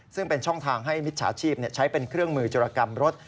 ซึ่งเป็นช่องทางให้มิจฉาชีพใช้เป็นเครื่องมือจุรกรรมรถ